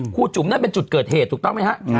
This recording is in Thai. จุ่มนั่นเป็นจุดเกิดเหตุถูกต้องไหมฮะ